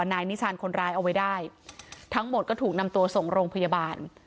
นายนิชานคนร้ายเอาไว้ได้ทั้งหมดก็ถูกนำตัวส่งโรงพยาบาล